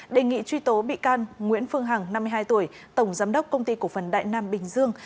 đề nghị truy tố bị can nguyễn phương hằng năm mươi hai tuổi tổng giám đốc công ty cổ phần đại nam bình dương